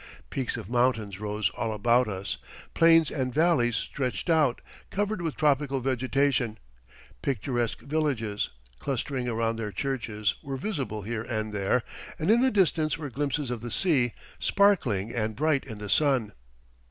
Peaks of mountains rose all about us; plains and valleys stretched out, covered with tropical vegetation; picturesque villages, clustering around their churches, were visible here and there; and in the distance were glimpses of the sea, sparkling and bright in the sun.